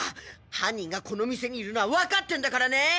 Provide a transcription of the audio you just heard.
犯人がこの店にいるのは分かってんだからね。